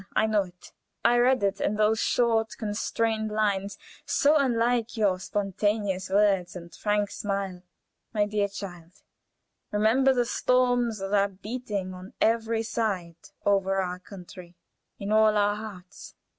I know it; I read it in those short, constrained lines, so unlike your spontaneous words and frank smile. My dear child, remember the storms that are beating on every side over our country, in on our hearts.